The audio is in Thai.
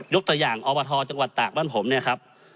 ตัวอย่างอบทจังหวัดตากบ้านผมเนี่ยครับ